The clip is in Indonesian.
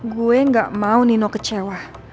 gue gak mau nino kecewa